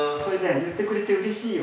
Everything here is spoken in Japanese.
言ってくれてうれしいよ。